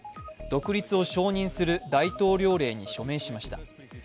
独立を承認する大統領令に署名しました。